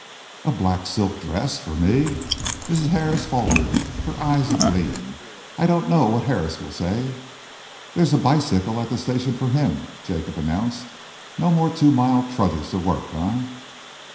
"A black silk dress for me?" Mrs. Harris faltered, her eyes agleam. "I don't know what Harris will say!" "There's a bicycle at the station for him," Jacob announced. "No more two mile trudges to work, eh?"